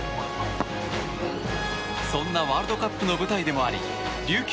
そんなワールドカップの舞台でもあり琉球